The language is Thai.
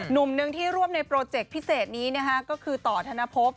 หนุ่มหนึ่งที่ร่วมในโปรเจกต์พิเศษนี้ก็คือต่อธนภพ